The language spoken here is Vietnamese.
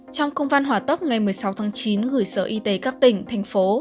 trong công văn hóa tốc ngày một mươi sáu tháng chín gửi sở y tế các tỉnh